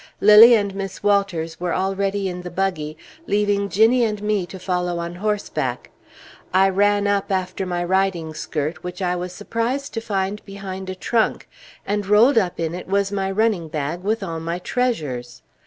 Lilly and Miss Walters were already in the buggy, leaving Ginnie and me to follow on horseback. I ran up after my riding skirt, which I was surprised to find behind a trunk, and rolled up in it was my running bag, with all my treasures!